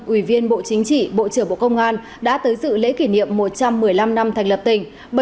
ủy viên bộ chính trị bộ trưởng bộ công an đã tới dự lễ kỷ niệm một trăm một mươi năm năm thành lập tỉnh